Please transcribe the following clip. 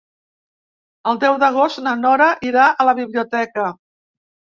El deu d'agost na Nora irà a la biblioteca.